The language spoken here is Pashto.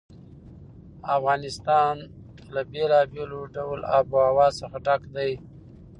افغانستان له بېلابېلو ډوله آب وهوا څخه ډک دی.